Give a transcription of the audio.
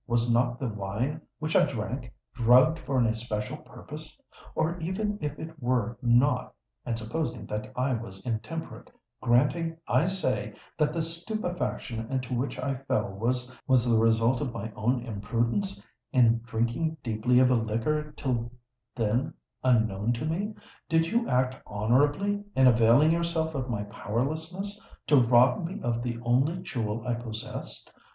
"Was not the wine which I drank, drugged for an especial purpose? Or, even if it were not—and supposing that I was intemperate,—granting, I say, that the stupefaction into which I fell was the result of my own imprudence in drinking deeply of a liquor till then unknown to me,—did you act honourably in availing yourself of my powerlessness to rob me of the only jewel I possessed?